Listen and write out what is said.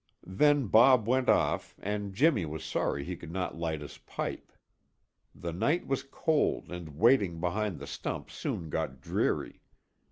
Then Bob went off and Jimmy was sorry he could not light his pipe. The night was cold and waiting behind the stump soon got dreary.